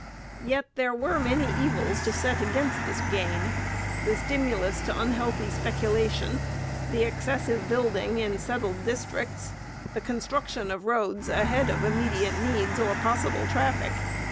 Yet there were many evils to set against this gain the stimulus to unhealthy speculation, the excessive building in settled districts, the construction of roads ahead of immediate needs or possible traffic.